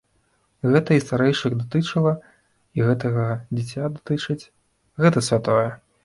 Гэта і старэйшых датычыла, і гэтага дзіця датычыць, гэта святое.